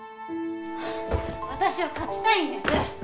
私は勝ちたいんです！